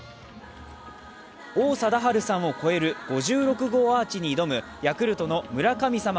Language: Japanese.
王貞治さんを超える５６号アーチに挑むヤクルトの村神様